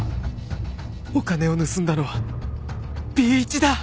お金を盗んだのは Ｂ 一だ